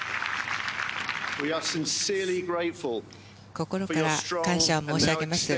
心から感謝を申し上げます。